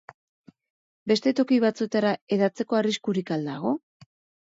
Beste toki batzuetara hedatzeko arriskurik al dago?